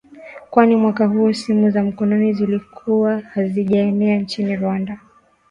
Kwani mwaka huo simu za mkononi zilikuwa hazijaenea nchini Rwanda